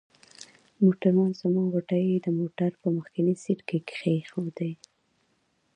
موټروان زموږ غوټې د موټر په مخکني سیټ کې کښېښودې.